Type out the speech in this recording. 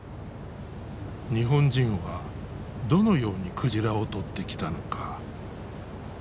日本人はどのように鯨を獲ってきたのか。